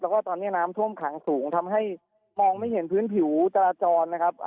แล้วก็ตอนนี้น้ำท่วมขังสูงทำให้มองไม่เห็นพื้นผิวจราจรนะครับ